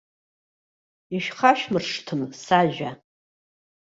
Ишәхашәмыршҭын сажәа.